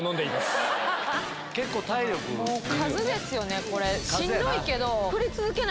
数ですよねこれしんどいけど。